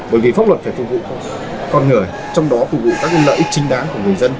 bởi vì pháp luật phải phục vụ con người trong đó phục vụ các lợi ích chính đáng của người dân